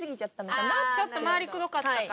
ちょっと回りくどかったか。